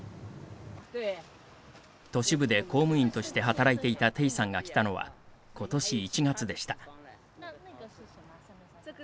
都市部で公務員として働いていた程さんが来たのはことし１月でした。